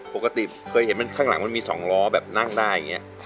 ปกติเคยเห็นมันข้างหลังมันมี๒ล้อแบบนั่งได้อย่างนี้